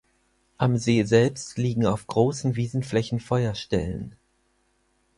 Am See selbst liegen auf großen Wiesenflächen Feuerstellen.